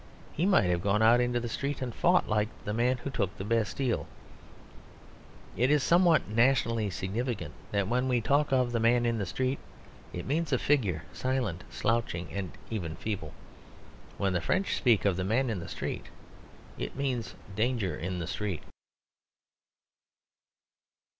He might have gone out into the street and fought, like the man who took the Bastille. It is somewhat nationally significant that when we talk of the man in the street it means a figure silent, slouching, and even feeble. When the French speak of the man in the street, it means danger in the street.